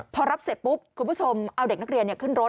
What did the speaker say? พอรับเสร็จปุ๊บคุณผู้ชมเอาเด็กนักเรียนขึ้นรถ